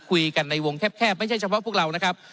คุยกันในวงแคบไม่ใช่เฉพาะพวกเรานะครับ